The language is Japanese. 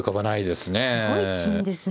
すごい金ですね。